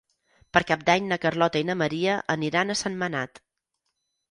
Per Cap d'Any na Carlota i na Maria aniran a Sentmenat.